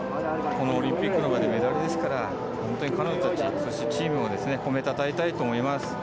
このオリンピックの場でメダルですから本当に彼女たちチームを褒めたたえたいと思います。